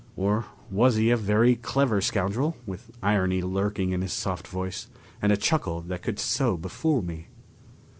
Or was he a very clever scoundrel, with irony lurking in his soft voice, and a chuckle that could so befool me?